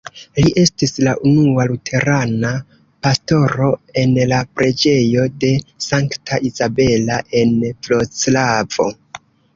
Li estis la unua luterana pastoro en la Preĝejo de Sankta Izabela, en Vroclavo.